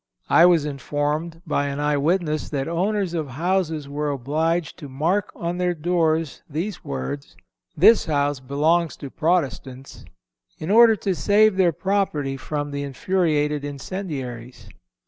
I was informed by an eyewitness that owners of houses were obliged to mark on their doors these words, This house belongs to Protestants, in order to save their property from the infuriated incendiaries.